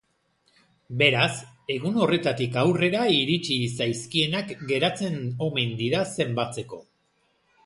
Beraz, egun horretatik aurrera iritsi zaizkienak geratzen omen dira zenbatzeko.